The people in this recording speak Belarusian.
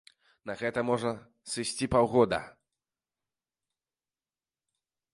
На гэта можа сысці паўгода.